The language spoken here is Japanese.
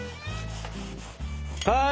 はい！